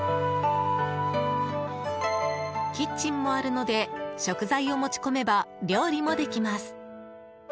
キッチンもあるので食材を持ち込めば料理もできます。